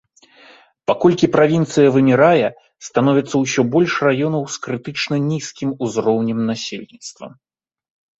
Паколькі правінцыя вымірае, становіцца ўсё больш раёнаў з крытычна нізкім узроўнем насельніцтва.